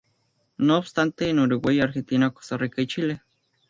No obstante en Uruguay, Argentina, Costa Rica y Chile.